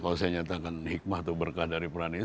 kalau saya nyatakan hikmah atau berkah dari peran ini